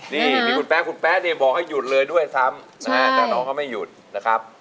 นี่มีคุณแป๊ะคุณแป๊ะเนี่ยบอกให้หยุดเลยด้วยซ้ำนะฮะแต่น้องเขาไม่หยุดนะครับ